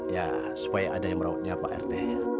ya supaya ada yang merawatnya pak rt ya